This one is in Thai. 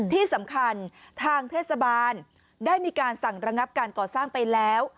ที่สำคัญทางเทศบาลได้มีการสั่งระงับการก่อสร้างไปแล้ว